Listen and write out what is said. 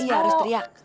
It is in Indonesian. iya harus teriak